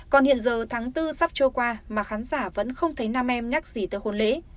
còn hiện giờ tháng bốn sắp trôi qua mà khán giả vẫn không thấy nam em nhắc gì tới hôn lễ